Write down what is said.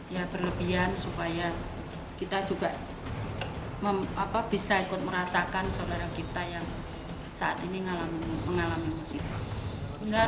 ya berlebihan supaya kita juga bisa ikut merasakan saudara kita yang saat ini mengalami musibah